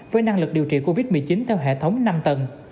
với năng lực điều trị covid một mươi chín theo hệ thống năm tầng